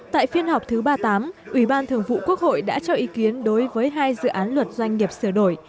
tại phiên họp thứ ba mươi tám ủy ban thường vụ quốc hội đã cho ý kiến đối với hai dự án luật doanh nghiệp sửa đổi